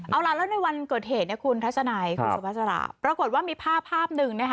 เอาล่ะแล้วในวันเกิดเหตุคุณทัศนายคุณสุภาษาลาภปรากฏว่ามีภาพหนึ่ง